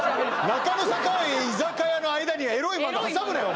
「中野坂上居酒屋」の間に「エロい漫画」挟むなよ